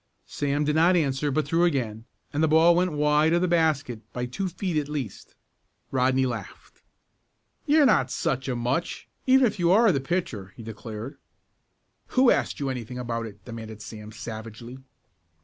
Sam did not answer but threw again, and the ball went wide of the basket by two feet at least. Rodney laughed. "You're not such a much, even if you are the pitcher," he declared. "Who asked you anything about it?" demanded Sam savagely.